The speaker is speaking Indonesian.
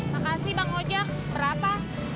makasih bang ojak berapa